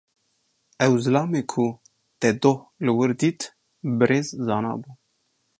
Ew zilamê ku te doh li wir dît, Birêz Zana bû.